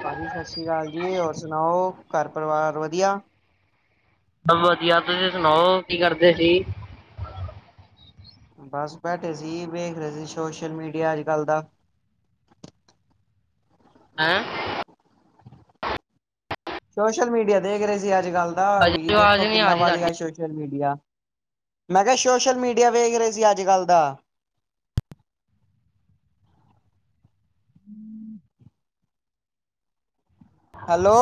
ਭਾਜੀ ਸਤਿ ਸ੍ਰੀ ਅਕਾਲ ਜੀ ਹੋਰ ਸੁਣਾਓ ਘਰ ਪਰਿਵਾਰ ਵਧੀਆ ਵਧੀਆ ਤੁਸੀਂ ਸੁਣਾਓ ਕੀ ਕਰਦੇ ਸੀ ਬਸ ਬੈਠੇ ਸੀ ਵੇਖ ਰਹੇ ਸੀ ਸੋਸ਼ਲ ਮੀਡੀਆ ਅੱਜ ਕੱਲ ਦਾ [inaudible] ਹਾ ਸੋਸ਼ਲ ਮੀਡੀਆ ਦੇਖ ਰਹੇ ਸੀ ਅੱਜ ਕੱਲ ਦਾ ਵੀ ਅਜੇ ਆਵਾਜ਼ ਦੇਖੋ ਨਹੀਂ ਆ ਕਿੰਨਾ ਰਹੀ ਵਧ ਗਿਆ ਤੁਹਾਡੀ ਸੋਸ਼ਲ ਮੀਡੀਆ ਮੈਂ ਕਿਹਾ ਸੋਸ਼ਲ ਮੀਡੀਆ ਵੇਖ ਰਹੇ ਸੀ ਅੱਜ ਕੱਲ ਦਾ [inaudible] [unintelligible] ਹੈਲੋ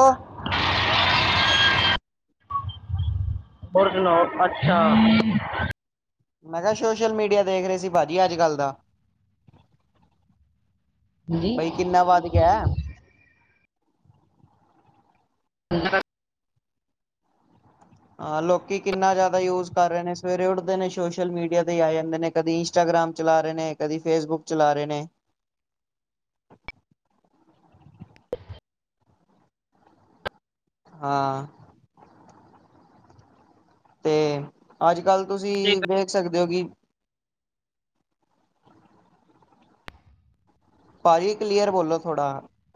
ਹੋਰ ਸੁਣਾਓ ਅੱਛਾ ਮੈਂ ਕਿਹਾ ਸੋਸ਼ਲ ਮੀਡੀਆ ਦੇਖ ਰਹੇ ਸੀ ਭਾਜੀ ਅੱਜਕੱਲ ਦਾ ਬਾਈ ਕਿੰਨਾ ਵੱਧ ਗਿਆ [unintelligible] ਆ ਲੋਕੀ ਕਿੰਨਾ ਜਿਆਦਾ ਯੂਜ ਕਰ ਰਹੇ ਨੇ ਸਵੇਰੇ ਉੱਠਦੇ ਨੇ ਸੋਸ਼ਲ ਮੀਡੀਆ ਤੇ ਹੀ ਆ ਜਾਂਦੇ ਨੇ ਕਦੀ ਇੰਸਟਾਗਰਾਮ। ਇੰਸਟਾਗਰਾਮ ਚਲਾ ਰਹੇ ਨੇ ਕਦੀ ਫੇਸਬੁਕ ਚਲਾ ਰਹੇ ਨੇ। ਅ ਹਾਂ ਤੇ ਅੱਜ ਕੱਲ ਤੁਸੀਂ ਵੇਖ ਸਕਦੇ ਹੋ ਕਿ। ਭਾਈ ਕਲੀਅਰ ਬੋਲੋ ਥੋੜਾ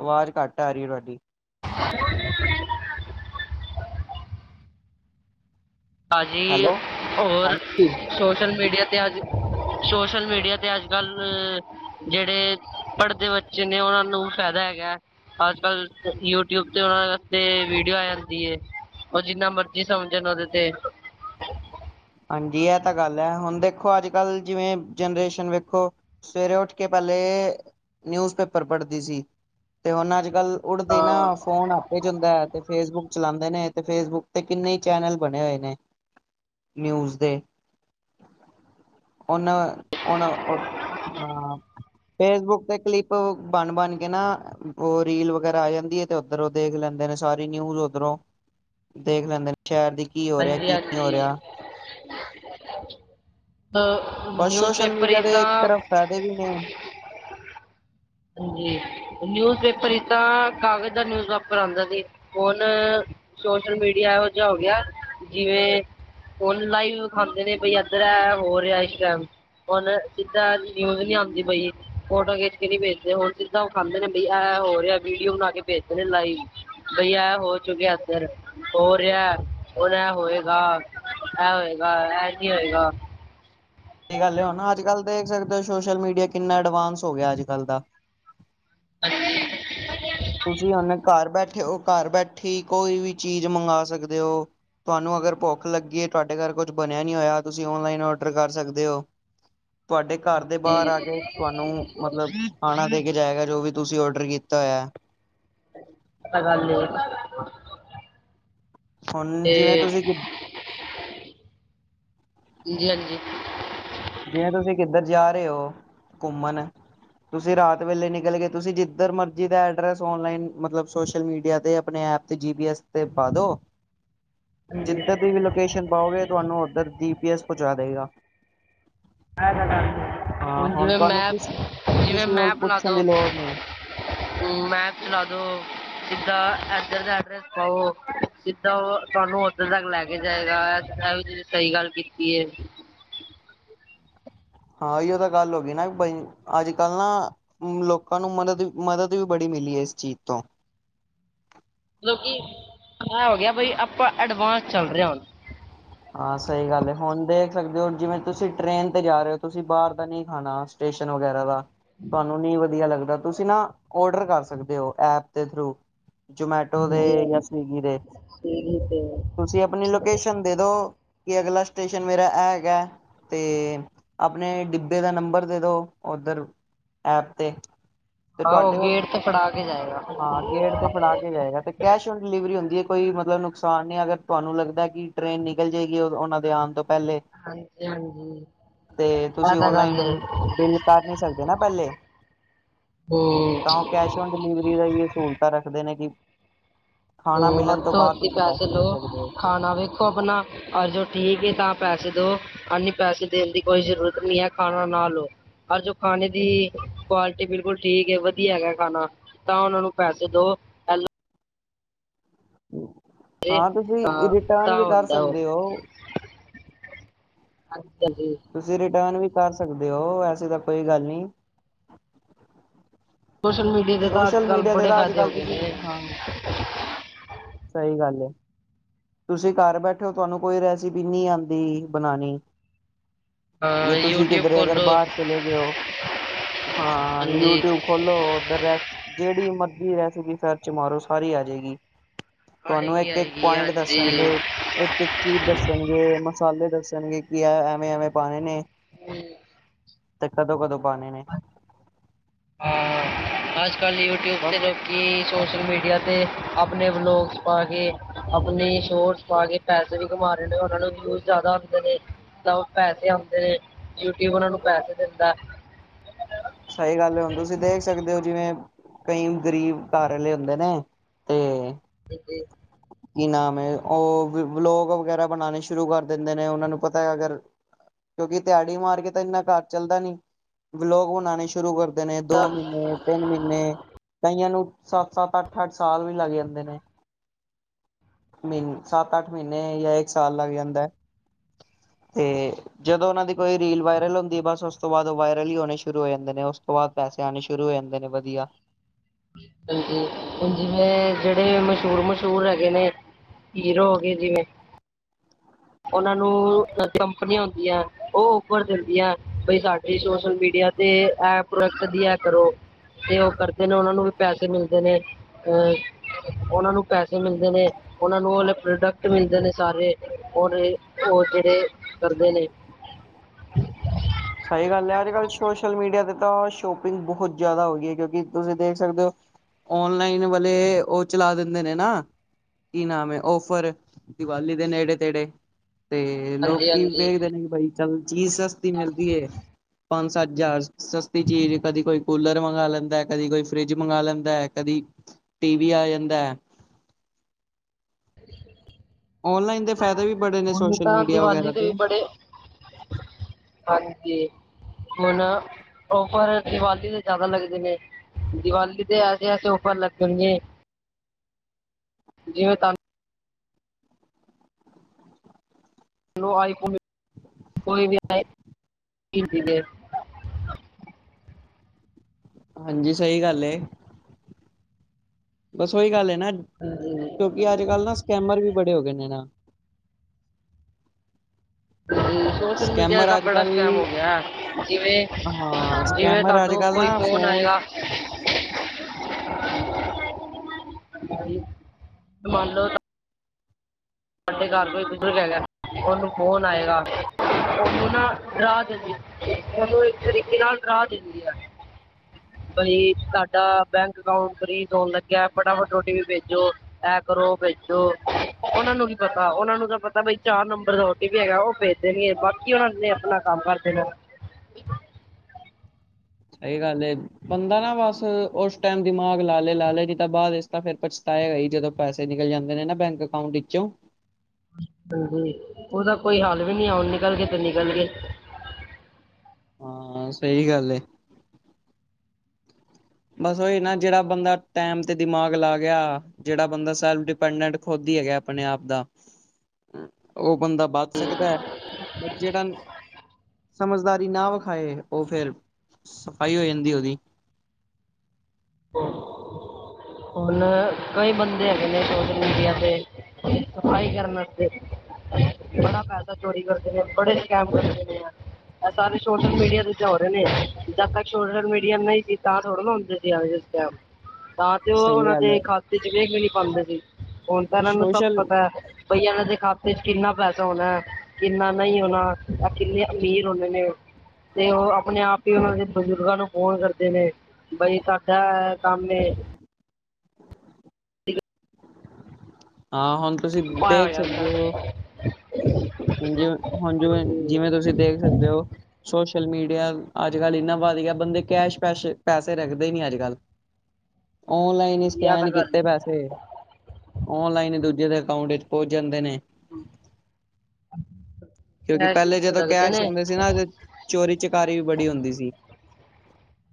ਆਵਾਜ਼ ਘੱਟ ਆ ਰਹੀ ਤੁਹਾਡੀ। ਭਾਜੀ ਹੈਲੋ ਹੋਰ ਹਾਂਜੀ ਸੋਸ਼ਲ ਮੀਡੀਆ ਤੇ ਅੱਜ ਸੋਸ਼ਲ ਮੀਡੀਆ ਤੇ ਅੱਜਕੱਲ ਜਿਹੜੇ ਪੜਦੇ ਹੋ ਬੱਚੇ ਨੇ ਉਹਨਾਂ ਨੂੰ ਫਾਇਦਾ ਅੱਜ ਕੱਲ ਯੂ ਟੀਊਬ ਤੇ ਉਹਨਾਂ ਤੇ ਵੀਡੀਓ ਆ ਜਾਂਦੀ ਏ। ਉਹ ਜਿੰਨਾ ਮਰਜ਼ੀ ਸਮਝਣ ਉਹਦੇ ਤੇ। ਹਾਂਜੀ ਇਹ ਤਾਂ ਗੱਲ ਹ ਹੁਣ ਦੇਖੋ ਅੱਜ ਕੱਲ ਜਿਵੇਂ ਜਨਰੇਸ਼ਨ ਵੇਖੋ ਸਵੇਰੇ ਉੱਠ ਕੇ ਪਹਿਲੇ। ਨਿਊਜ਼ ਪੇਪਰ ਪੜਦੀ ਸੀ ਤੇ ਉਹਨਾਂ। ਪਹਿਲੇ ਉਠਦੇ ਹੀ ਹਾਂ ਨਾ ਫੋਨ ਹੱਥ ਚ ਹੁੰਦਾ ਤੇ ਫੇਸਬੁਕ ਚਲਾਉਂਦੇ ਨੇ। ਤੇ ਫੇਸਬੁਕ ਤੇ ਕਿੰਨੇ ਹੀ ਚੈਨਲ ਬਣੇ ਹੋਏ ਨੇ। ਨਿਊਜ਼ ਦੇ ਹੁਣ। ਹੁਣ ਉਹ ਹਾਂ। ਫੇਸਬੁਕ ਤੇ ਕਲਿੱਪ ਬਣ ਬਣ ਕੇ ਨਾ ਉਹ ਰੀਲ ਵਗੈਰਾ ਆ ਜਾਂਦੀ ਆ ਤੇ ਉਧਰੋਂ ਦੇਖ ਲੈਂਦੇ। ਸਾਰੀ ਨਿਊਜ਼ ਉਧਰੋਂ ਦੇਖ ਲੈਂਦੇ ਨੇ ਸ਼ਹਿਰ ਦੀ ਕੀ ਹੋ ਰਿਹਾ ਕੀ ਨਹੀਂ ਹੋ ਰਿਹਾ। ਸਮਜ ਨਹੀਂ ਆਈ [inaudible] ਬਸ ਨਿਊਜ਼ ਸੋਸ਼ਲ ਪੇਪਰ ਹੀ ਮੀਡੀਆ ਦੇ ਇੱਕ ਤਾਂ। ਤਰਫ ਫਾਇਦੇ ਵੀ ਨੇ ਨਿਊਜ਼ ਪੇਪਰ ਇਦਾਂ ਕਾਗਜ ਦਾ ਨਿਊਜ਼ ਪੇਪਰ ਆਉਂਦਾ ਸੀ। ਸੋਸ਼ਲ ਮੀਡੀਆ ਇਹੋ ਜਿਹਾ ਹੋ ਗਿਆ ਜਿਵੇਂ। ਆਨਲਾਈਨ ਖਾਂਦੇ ਨੇ ਬਈ ਇਧਰ ਹੋ ਰਿਹਾ। ਜਿੱਦਾਂ ਨੀਂਦ ਨਹੀਂ ਆਉਂਦੀ ਪਈ ਫੋਟੋ ਖਿੱਚ ਕੇ ਨਹੀਂ ਭੇਜ ਦੇ। ਹੋਰ ਜਿੱਦਾਂ ਉਹ ਖਾਂਦੇ ਨੇ ਬਈ ਆ ਹੋ ਰਿਹਾ ਵੀਡੀਓ ਬਣਾ ਕੇ ਭੇਜ ਮੇਲ ਲਾਈਵ। ਬਈ, ਐ ਹੋ ਚੁੱਕਿਆ ਇਧਰ, ਹੋ ਰਿਹਾ, ਔਰ ਇਹ ਹੋਏਗਾ। ਐ ਹੋਏਗਾ ਇੰਜ ਹੀ ਹੋਏਗਾ। ਤੇ ਗੱਲ ਹੁਣ ਨਾ ਅੱਜਕੱਲ ਦੇਖ ਸਕਦੇ ਹੋ ਸੋਸ਼ਲ ਮੀਡੀਆ ਕਿੰਨਾ ਐਡਵਾਂਸ ਹੋ ਗਿਆ ਅੱਜਕੱਲ ਦਾ। ਤੁਸੀਂ ਉਹਨੇ ਘਰ ਬੈਠੇ। ਘਿਓ ਘਰ ਬੈਠੀ ਕੋਈ ਵੀ ਚੀਜ਼ ਮੰਗਾ ਸਕਦੇ ਹੋ। ਤੁਹਾਨੂੰ ਅਗਰ ਭੁੱਖ ਲੱਗੀਏ ਤੁਹਾਡੇ ਘਰ ਕੁਝ ਨਹੀਂ ਬਣਿਆ ਹੋਇਆ ਤੁਸੀਂ ਆਨਲਾਈਨ ਆਰਡਰ ਕਰ ਸਕਦੇ ਹੋ। ਦਿਓ ਤੁਹਾਡੇ ਘਰ ਦੇ ਬਾਹਰ ਆ ਕੇ ਤੁਹਾਨੂੰ ਮਤਲਬ ਖਾਣਾ ਦੇ। ਦੇ ਕੇ ਜਾਏਗਾ ਜੋ ਵੀ ਤੁਸੀਂ ਆਰਡਰ ਕੀਤਾ ਹੋਇਆ। ਪਤਾ ਗੱਲ ਕੀ। ਹੁਣ ਜਿਵੇਂ ਤੁਸੀਂ ਕਿ ਹਾਂਜੀ ਹਾਂਜੀ। ਜੇਤੁਸੀਂ ਕਿੱਧਰ ਜਾ ਰਹੇ ਹੋ ਘੁੰਮਨ। ਤੁਸੀਂ ਰਾਤ ਵੇਲੇ ਨਿਕਲ ਗਏ ਤੁਸੀਂ ਜਿੱਧਰ ਮਰਜ਼ੀ ਦਾ ਐਡਰੈਸ ਆਨਲਾਈਨ ਮਤਲਬ ਸੋਸ਼ਲ ਮੀਡੀਆ ਤੇ। ਆਪਣੀ ਜੀਪੀਐਸ ਤੇ ਪਾ ਦਿਓ। ਜਿੱਦਰ ਦੀ ਵੀ ਲੋਕੇਸ਼ਨ ਪਾਓਗੇ। ਤੁਹਾਨੂੰ ਉਧਰ ਜੀਪੀਐਸ ਪਹੁੰਚਾ ਦੇਵੇਗਾ। ਉਹ ਹੁਣ ਜਿਵੇਂ ਤੁਹਾਨੂੰ ਮੈਪ ਕਿਸ ਕਿਸੇ ਕੋਲ ਮੈਪ ਲਾ ਪੁੱਛਣ ਦਿਓ। ਦੀ ਲੋੜ ਨਹੀਂ ਮੈਪ ਚਲਾ ਦਿਓ। ਲੈ ਕੇ ਜਾਏਗਾ। ਗੱਲ ਕੀਤੀ ਏ। ਹਾਂ ਜੀ ਉਹ ਤਾਂ ਗੱਲ ਹੋ ਗਈ ਨਾ ਅੱਜ ਕੱਲ ਨਾ ਲੋਕਾਂ ਨੂੰ ਮਦਰ ਮਦਦ ਵੀ ਬੜੀ। ਇਸ ਚੀਜ਼ ਤੋਂ। ਲੋਕੀ ਇਹ ਹੋ ਗਿਆ ਬਈ ਆਪਾਂ ਐਡਵਾਂਸ ਚੱਲ ਰਹੇ ਹਾਂ ਹੁਣ। ਹਾਂ ਸਹੀ ਗੱਲ ਹ ਹੁਣ ਦੇਖ ਸਕਦੇ ਹੋ ਜਿਵੇਂ ਤੁਸੀਂ ਟਰੇਨ ਤੇ ਜਾ ਰਹੇ ਹੋ ਤੁਸੀਂ ਬਾਹਰ ਦਾ ਨਹੀਂ ਖਾਣਾ ਸਟੇਸ਼ਨ। ਵਗੈਰਾ ਦਾ ਤੁਹਾਨੂੰ ਨਹੀਂ ਵਧੀਆ ਲੱਗਦਾ ਤੁਸੀਂ ਨਾ ਆਰਡਰ ਜੋਮੈਟੋ ਦੇ ਹਾਂਜੀ ਹਾਂਜੀ ਯਸ ਨੀਕੀ ਦੇ ਸੀੜੀ ਤੇ ਤੁਸੀਂ ਆਪਣੀ ਲੋਕੇਸ਼ਨ ਦੇ ਕਿ ਅਗਲਾ ਸਟੇਸ਼ਨ ਮੇਰਾ ਤੇ ਆਪਣੇ ਡਿੱਬੇ ਦਾ ਨੰਬਰ ਦੇ ਦੋ ਉਧਰ ਐਪ ਤੇ ਤੇ ਤੁਹਾਡੇ ਉਹ ਗੇਟ ਤੇ ਛੜਾ ਹਾਂ ਗੇਟ ਤੇ ਫੜਾ ਕੇ ਜਾਏਗਾ ਤੇ ਕੈਸ਼ ਡਲੀਵਰੀ ਬਈ ਮਤਲਬ ਨੁਕਸਾਨ ਨਹੀਂ ਅਗਰ ਤੁਹਾਨੂੰ ਲੱਗਦਾ ਕਿ ਟਰੇਨ ਨਿਕਲ ਜਾਏਗੀ ਉਹਨਾਂ ਦੇ ਆਉਣ ਤੋਂ ਪਹਿਲੇ ਹਾਂਜੀ ਹਾਂਜੀ ਤੇ ਇਹ ਤੁਸੀਂ ਤਾਂ ਗੱਲ ਹੈ ਆਨਲਾਈਨ ਬਿਲ ਕਰ ਨਹੀਂ ਸਕਦੇ ਨਾ ਪਹਿਲੇ ਹੂੰ ਤਾਂ ਉਹ ਕੈਸ਼ੋਟ ਡਿਲੀਵਰੀ ਦਾ ਵੀ ਸਹੂਲਤਾਂ ਰੱਖਦੇ ਨੇ ਕਿ ਖਾਣਾ ਮਿਲਣ ਤੋਂ ਬਾਅਦ ਤੁਸੀਂ ਪੈਸੇ ਦੇ ਸਕਦੇ ਹੋ ਵੇਖੋ ਆਪਣਾ ਔਰ ਜੋ ਠੀਕ ਹ ਤਾਂ ਦੋ ਆਨੀ ਪੈਸੇ ਦੇਣ ਦੀ ਕੋਈ ਜਰੂਰਤ ਨਹੀਂ ਹੈ ਖਾਣਾ ਹਰਜੋ ਖਾਣੇ ਦੀ ਕੁਆਲਿਟੀ ਬਿਲਕੁਲ ਠੀਕ ਹ ਵਧੀਆ ਹੈਗਾ ਖਾਣਾ ਤਾਂ ਉਹਨਾਂ ਨੂੰ ਪੈਸੇ ਅ ਹਾਂ ਤੇ ਤੁਸੀਂ ਤਾਂ ਰਿਟਰਨ ਤਾਂ ਵੀ ਕਰ ਹੁੰਦਾ ਉਹ ਸਕਦੇ ਹੋ [inaudible] ਤੁਸੀਂ ਰਿਟਨ ਵੀ ਪਾ ਸਕਦੇ ਹੋ ਵੈਸੇ ਤਾਂ ਕੋਈ ਗੱਲ ਨਹੀਂ ਸੋਸ਼ਲ ਮੀਡੀਆ ਦੇ ਤਾਂ ਸੋਸ਼ਲ ਅੱਜ ਕੱਲ੍ਹ ਮੀਡੀਆ ਤੇ ਬੜੇ ਤਾਂ ਅੱਜ ਫਾਇਦੇ ਹੋ ਕੱਲ ਗਏ ਨੇ ਸਹੀ ਗੱਲ ਹੈ ਤੁਸੀਂ ਘਰ ਬੈਠੇ ਹੋ ਤੁਹਾਨੂੰ ਕੋਈ ਰੈਸਿਪੀ ਨਹੀਂ ਆਉਂਦੀ ਹਾਂ ਜੇ ਤੁਸੀਂ ਕਿਧਰੇ ਅਗਰ ਖੋਲੋ ਬਾਹਰ ਚਲੇ ਗਏ ਹਾਂ ਹਾਂਜੀ ਯੂਟਿਊਬ ਖੋਲੋ। ਉਧਰ ਰੈਸ ਜਿਹੜੀ ਮਰਜ਼ੀ ਰੈਸਪੀ, ਸਰਚ ਮਾਰੋ ਸਾਰੀ ਆ ਜਾਏਗੀ। ਤੁਹਾਨੂੰ ਆਏਗੀ ਇੱਕ ਇੱਕ ਆਏਗੀ ਪੁਆਇੰਟ ਹਾਂਜੀ ਦੱਸਣਗੇ ਇੱਕ ਇੱਕ ਚੀਜ਼ ਦੱਸਣਗੇ। ਸਾਰੇ ਦੱਸਣਗੇ ਕਿ ਐਵੇਂ ਐਵੇਂ ਪਾਣੇ ਨੇ ਹਮ। ਤੇ ਕਦੋਂ ਕਦੋਂ ਪਾਣੇ ਨੇ। ਹਾਂ ਅੱਜ ਕੱਲ੍ਹ ਯੂਟਿਊਬ ਬਸ ਤੇ ਲੋਕੀ ਸੋਸ਼ਲ ਮੀਡੀਆ ਤੇ ਆਪਣੇ ਵਲੋਗਸ ਪਾ ਕੇ ਆਪਣੀ ਸ਼ੋਟਸ ਪਾ ਕੇ ਪੈਸੇ ਵੀ ਕਮਾ ਉਹ ਨੂੰ ਵਿਊਜ਼ ਜਿਆਦਾ ਆਉਂਦੇ ਨੇ ਤਾਂ ਪੈਸੇ ਆਉਂਦੇ ਨੇ ਯੂਟਿਊਬ ਉਹਨਾਂ ਨੂੰ ਪੈਸੇ ਦਿੰਦਾ [inaudible] ਸਹੀ ਗੱਲ ਹੈ ਹੁਣ ਤੁਸੀਂ ਦੇਖ ਸਕਦੇ ਹੋ ਜਿਵੇਂ ਕਈ ਗਰੀਬ ਘਲੇ ਹੁੰਦੇ ਨੇ ਤੇ ਜੀ। ਕੀ ਨਾਮ ਹੈ ਉਹ ਵਲੋਗ ਵਗੈਰਾ ਬਣਾਉਣੇ ਸ਼ੁਰੂ ਕਰ ਦਿੰਦੇ ਨੇ ਉਹਨਾਂ ਨੂੰ ਪਤਾ ਅਗਰ ਕਿਉਂਕਿ ਦਿਹਾੜੀ ਮਾਰ ਕੇ ਤਾਂ ਇੰਨਾ ਘਰ ਚੱਲਦਾ ਨੀ ਬਲੋਗ ਬਨਾਉਣੇ ਸ਼ੁਰੂ ਕਰ ਨੇ ਦੋ ਮਹੀਨੇ ਤਿੰਨ ਮਹੀਨੇ ਕਈਆਂ ਨੂੰ ਸੱਤ ਸੱਤ ਅੱਠ ਅੱਠ ਸਾਲ ਵੀ ਲੱਗ ਜਾਂਦੇ ਨੇ। ਮਹੀਨ ਸੱਤ ਅੱਠ ਮਹੀਨੇ ਜਾਂ ਇੱਕ ਸਾਲ ਲੱਗ ਜਾਂਦਾ ਹੈ। [inaudible] ਤੇ ਜਦੋਂ ਉਹਨਾਂ ਦੀ ਕੋਈ ਰੀਲ ਵਾਇਰਲ ਹੁੰਦੀ ਬਸ ਉਸ ਤੋਂ ਬਾਅਦ ਉਹ ਵਾਇਰਲ ਹੀ ਹੋਣੇ ਸ਼ੁਰੂ ਹੋ ਜਾਂਦੇ ਨੇ ਉਸ ਤੋਂ ਬਾਅਦ ਪੈ ਪੈਸੇ ਆਉਣੇ ਸ਼ੁਰੂ ਹੋ ਜਾਂਦੇ ਨੇ ਵਧੀਆ। ਹਾਂਜੀ ਹ ਜਿਵੇਂ ਜਿਹੜੇ ਮਸ਼ਹੂਰ ਮਸ਼ਹੂਰ ਹੈਗੇ ਨੇ ਹੀਰੋ ਹੋ ਗਏ ਜਿਵੇਂ ਉਹਨਾਂ ਨੂੰ ਕੰਪਨੀਆਂ ਹੁੰਦੀਆਂ ਉਹ ਉਪਰ ਦਿੰਦੀਆਂ ਬਈ ਸਾਡੀੇ ਸੋਸ਼ਲ ਮੀਡੀਆ ਤੇ ਐ ਪ੍ਰੋਡਕਟਾਂ ਦੀ ਐ ਕਰੋ। ਤੇ ਉਹ ਕਰਦੇ ਨੇ ਉਹਨਾਂ ਨੂੰ ਵੀ ਪੈਸੇ ਮਿਲਦੇ ਨੇ ਅਹ ਉਹਨਾਂ ਨੂੰ ਪੈਸੇ ਮਿਲਦੇ ਨੇ ਉਹਨਾਂ ਨੂੰ ਉਹ ਹੇ ਪ੍ਰੋਡਕਟ ਮਿਲਦੇ ਨੇ ਸਾਰੇ ਉਹ ਜਿਹੜੇ ਕਰਦੇ ਨੇ। ਸਹੀ ਗੱਲ ਹੈ ਅੱਜ ਕੱਲ੍ਹ ਸੋਸ਼ਲ ਮੀਡੀਆ ਤੇ ਤਾਂ ਸ਼ੋਪਿੰਗ ਬਹੁਤ ਜ਼ਿਆਦਾ ਹੋ ਗਈ ਹੈ ਕਿਉਂਕਿ ਤੁਸੀਂ ਦੇਖ ਸਕਦੇ ਹੋ ਓਨਲਾਈਨ ਵਾਲੇ ਉਹ ਚਲਾ ਦਿੰਦੇ ਨੇ ਨਾ ਕਿ ਨਾਮ ਹੈ? ਔਫਰ, ਦੀਵਾਲੀ ਦੇ ਨੇੜੇ- ਤੇੜੇ ਤੇ ਹਾਂਜੀ ਲੋਕੀ ਹਾਂਜੀ ਵੇਖਦੇ ਨੇ ਕਿ ਭਾਈ ਚੱਲ ਚੀਜ਼ ਸਸਤੀ ਮਿਲਦੀ ਪੰਜ -ਸੱਤ ਹਜ਼ਾਰ ਸਸਤੀ ਚੀਜ਼ ਕਦੀ ਕੋਈ ਕੂਲਰ ਮੰਗਾ ਲੈਂਦਾ ਹੈ, ਕਦੀ ਕੋਈ ਫਰਿਜ ਮੰਗਾ ਲੈਂਦਾ ਹੈ, ਕਦੀ ਟੀਵੀ ਆ ਜਾਂਦਾ ਹੈ। [inaudible] [inaudible] ਔਨਲਾਈਨ ਦੇ ਫਾਇਦੇ ਵੀ ਬੜੇ ਨੇ ਹੁਣ ਸੋਸ਼ਲ ਤਾਂ ਮੀਡੀਆ ਦੀਵਾਲੀ ਵਗੈਰਾ ਤੇ ਦੇ ਵੀ ਬੜੇ ਹਾਂਜੀ। ਹੁਣ ਉਫਰ ਦੀਵਾਲੀ ਦੇ ਜ਼ਿਆਦਾ ਲੱਗਦੇ ਨੇ। ਦੀਵਾਲੀ ਤੇ ਅਸੇ -ਅਸੇ ਉਫਰ ਲੱਗਦੇ ਨੇ ਜੀਵੇ [unintelligible] [inaudible] ਹਾਂਜੀ, ਸਹੀ ਗੱਲ ਹੈ। ਬਸ ਉਹੀ ਗੱਲ ਹੈ ਨਾ, ਕਿਉਂਕਿ ਅੱਜ ਕੱਲ੍ਹ ਨਾ ਸਕੈਮਰ ਵੀ ਬੜੇ ਹੋ ਗਏ ਨੇ ਨਾ। ਸੋਸ਼ਲ ਮੀਡੀਆ ਦਾ ਸਕੈਮਰ ਅੱਜ ਬੜਾ ਕੱਲ ਸਕੈਮ ਹੋ ਗਿਆ ਹੈ ਜਿਵੇਂ, ਹਾਂ ਜਿਵੇਂ ਸਕੈਮਰ ਅੱਜ ਤੁਹਾਨੂੰ ਕੱਲ ਕੋਈ ਨਾ ਫੌਨ ਫੋਨ ਆਏਗਾ। ਮੰਨ ਲਓ ਸਾਡੇ ਘਰ ਕੋਈ ਬਜ਼ੁਰਗ ਹੈਗਾ। ਉਹਨੂੰ ਫੋਨ ਆਏਗਾ ਉਹਨੂੰ ਨਾ ਰਾਤ ਉਹਨੂੰ ਇੱਕ ਤਰੀਕੇ ਨਾਲ ਰਾਹ ਦਿੰਦੀ ਆ। ਬਈ, ਸਾਡਾ ਬੈਂਕ ਅਕਾਊਂਟ ਫਰੀਜ ਹੋਣ ਲੱਗਿਆ ਫਟਾਫਟ ਓ ਟੀ ਪੀ ਭੇਜੋ। ਇਹ ਕਰੋ ਉਹਨਾਂ ਨੂੰ ਪਤਾ ਉਹਨਾ ਨੂੰ ਤਾਂ ਪਤਾ। ਬਈ ਚਾਰ ਨੰਬਰ ਦਾ ਓਟੀਪੀ ਹੈਗਾ ਉਹ ਭੇਜ ਦੇਣ ਗੇ। ਬਾਕੀ ਉਹਨਾ ਨੇ ਆਪਣਾ ਕੰਮ ਕਰ ਦੇਣਾ [unintelligible] ਸਹੀ ਗੱਲ ਏ। ਬੰਦਾ ਨਾ ਬਸ ਉਸ ਟਾਈਮ ਦਿਮਾਗ ਲਾ ਲੇ, ਲਾ ਲੇ ਜੀ ਤਾਂ ਬਾਅਦ ਇਚ ਤਾ ਫਿਰ ਪਛਤਾ ਹੈਗਾ ਹੀ। ਜਦੋਂ ਪੈਸੇ ਨਿਕਲ ਜਾਂਦੇ ਨੇ ਨਾ ਬੈਂਕ ਅਕਾਊਂਟ ਵਿੱਚੋਂ ਹਾਂਜੀ, ਉਹਦਾ ਕੋਈ ਹਾਲ ਵੀ ਨੀ ਆ। ੳ ਨਿਕਲ ਗੇ ਤੇ ਨਿਕਲ ਗੇ [inaudible] ਹਾਂ, ਸਹੀ ਗੱਲ ਏ। ਬਸ ਉਹੀ ਨਾ ਜਿਹੜਾ ਬੰਦਾ ਟੈਮ ਤੇ ਦਿਮਾਗ ਲਾ ਗਿਆ। ਜਿਹੜਾ ਬੰਦਾ ਸੈਲਫ ਡਿਪੈਂਡੈਂਟ ਖੁਦ ਕਿ ਹੈਗਾ ਆਪਣੇ ਆਪ ਦਾ ਉਹ ਬੰਦਾ ਬਚ ਸਕਦਾ ਹੈ। ਜਿਹੜਾ ਸਮਝਦਾਰੀ ਨਾ ਵਿਖਾਏ ਉਹ ਫੇਰ, ਸਫਾਈ ਹੋ ਜਾਂਦੀ ਉਹਦੀ [inaudible] ਹੁਣ ਕਈ ਬੰਦੇ ਹੈਗੇ ਨੇ ਸੋਸ਼ਲ ਮੀਡੀਆ ਤੇ, ਸਫਾਈ ਕਰਨ ਵਸਤੇ ਬੜਾ ਪੈਸਾ ਚੋਰੀ ਕਰਦੇ ਨੇ, ਬੜੇ ਸਕੈਮ ਕਰਦੇ ਨੇ ਐ ਇਹ ਸਾਰੇ ਸੋਸ਼ਲ ਮੀਡੀਆ ਦੀ ਜਾ ਹੌ ਰਹੇ ਨੇ। ਜਦ ਤੱਕ ਸੋਸ਼ਲ ਮੀਡੀਆ ਨਹੀਂ ਸੀ ਤਾਂ ਥੋੜ੍ਹੇ ਨਾ ਹੁੰਦੇ ਸੀ ਐਹੋ ਜੇ ਸਕੈਮ ਤਾਂ ਤੇ ਉਹ ਸਹੀ ਉਹਨਾਂ ਗੱਲ ਦੇ ਹੈ ਖਾਤੇ ਚ ਵੇੇਖ ਵੀ ਨੀ ਪਾਉਂਦੇ ਸੀ। ਹੁਣ ਤਾਂ ਇਹਨਾਂ ਨੂੰ ਸਭ ਸੋਸ਼ਲ ਪਤਾ ਹੈ ਬਈ ਇਹਨਾਂ ਦੇ ਖਾਤੇ ਚ ਕਿੰਨਾ ਪੈਸਾ ਹੋਣਾ। ਕਿੰਨਾ ਨਹੀਂ ਹੋਣਾ। ਐ ਕਿੰਨੇ ਅਮੀਰ ਹੋਣੇ ਨੇ ਤੇ ਉਹ, ਆਪਣੇ ਆਪ ਹੀ ਉਹਨਾਂ ਦੇ ਬਜ਼ੁਰਗਾਂ ਨੂੰ ਫੋਨ ਕਰਦੇ ਨੇ ਬਹੀ ਸਾਡਾ ਕੰਮ ਨੇ [inaudible] ਹਾਂ ਹੁਣ ਤੁਸੀਂ ਪਾਇਆ ਹੋ ਦੇਖ ਜਾਂਦਾ ਸਕਦੇ ਹੋ ਜਿਵੇਂ, ਹੁਣ ਜਿਵੇਂ, ਜਿਵੇਂ ਤੁਸੀਂ ਦੇਖ ਸਕਦੇ ਹੋ। ਸੋ ਸੋਸ਼ਲ ਮੀਡੀਆ ਅੱਜ- ਕੱਲ ਇੰਨਾ ਵਧ ਗਿਆ ਬੰਦੇ ਕੈਸ਼ ਪੈਸ਼ੇ ਪੈਸੇ ਰੱਖਦੇ ਨੀ ਅੱਜ ਕੱਲ ਓਨਲਾਈਨ ਹੀ ਇੰਡੀਆ ਤਾਂ ਸਕੈਨ ਗੱਲ ਹੈ ਕੀਤੇ ਪੈਸੇ। ਓਨਲਾਈਨ ਹੀ ਦੂਜੇ ਜਿਹਦੇ ਅਕਾਊਂਟ ਵਿੱਚ ਪਹੁੰਚ ਜਾਂਦੇ ਨੇ [inaudible] ਕਿਉਂਕਿ ਕੈਸ਼ ਪਹਿਲੇ ਜਦੋਂ ਰੱਖਦੇ ਕੈਸ਼ ਨੇ ਹੁੰਦੇ ਸੀ ਨਾ, ਚੋਰੀ ਚਕਾਰੀ ਵੀ ਬੜੀ ਹੁੰਦੀ ਸੀ।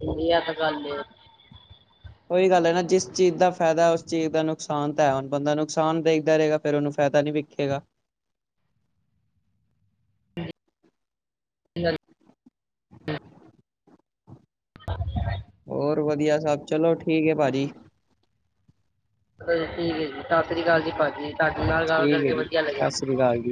ਇੰਨੀ ਐ ਤੇ ਗੱਲ ਏ ਉਹੀ ਗੱਲ ਹੈ ਨਾ, ਜਿਸ ਚੀਜ਼ ਦਾ ਫਾਇਦਾ ਉਸ ਚੀਜ਼ ਦਾ ਨੁਕਸਾਨ ਤਾਂ ਹੈ, ਹੁਣ ਬੰਦਾ ਨੁਕਸਾਨ ਦੇਖਦਾ ਰਹੇਗਾ ਫਿਰ ਉਹਨੂੰ ਫਾਇਦਾ ਨੀ ਵਿਖੇਗਾ [inaudible] [inaudible] [unintelligible] [unintelligible] ਹੋਰ ਵਧੀਆ ਸਭ, ਚਲੋ ਠੀਕ ਹੈ ਭਾਜੀ। ਠੀਕ ਹੈ ਜੀ, ਸਤਿ ਸ਼੍ਰੀ ਅਕਾਲ ਜੀ ਭਾਜੀ ਤੁਹਾਡੇ ਨਾਲ ਗਲ ਠੀਕ ਹੈ ਕਰਕੇ ਜੀ ਵਧੀਆ ਲੱਗਿਆ। ਸਤਿ ਸ੍ਰੀ ਅਕਾਲ ਜੀ